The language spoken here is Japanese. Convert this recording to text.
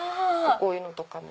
こういうのとかも。